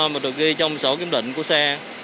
mà được ghi trong sổ kiểm định của xe